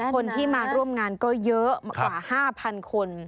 คนที่มาร่วมงานก็เยอะกว่า๕๐๐๐คน